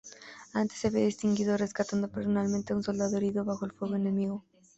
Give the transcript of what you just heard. Antes se había distinguido rescatando personalmente a un soldado herido, bajo el fuego enemigo.